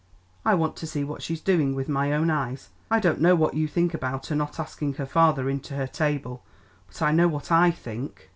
"I want to see what she's doing with my own eyes. I don't know what you think about her not asking her father in to her table, but I know what I think."